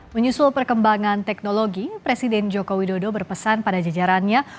menyusul perkembangan teknologi presiden joko widodo berpesan pada jajarannya